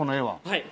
はい。